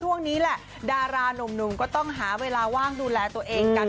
ช่วงนี้แหละดารานุ่มก็ต้องหาเวลาว่างดูแลตัวเองกัน